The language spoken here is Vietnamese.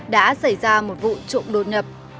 đã xảy ra một vụ trụng đồn nhập